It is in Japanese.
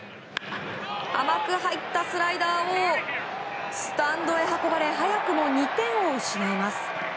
甘く入ったスライダーをスタンドへ運ばれ早くも２点を失います。